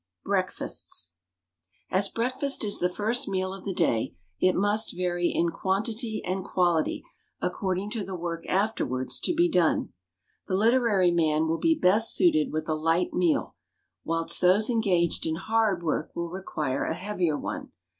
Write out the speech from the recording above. BREAKFASTS. As breakfast is the first meal of the day, it must vary in quantity and quality according to the work afterwards to be done. The literary man will best be suited with a light meal, whilst those engaged in hard work will require a heavier one.